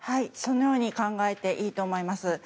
そのように考えていいと思います。